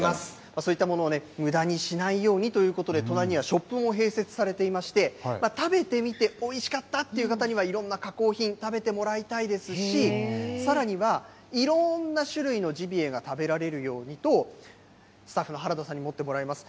そういったものをむだにしないようにということで、隣にはショップも併設されていまして、食べてみておいしかったっていう方には、いろんな加工品、食べてもらいたいですし、さらには、いろんな種類のジビエが食べられるようにと、スタッフのはらださんに持ってもらっています。